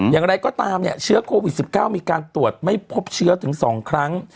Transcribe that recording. อย่างไรก็ตามเนี่ยเชื้อโควิด๑๙มีการตรวจไม่พบเชื้อถึง๒ครั้ง